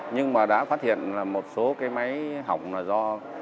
nhưng mà đã phát hiện là một số cái máy hỏng là do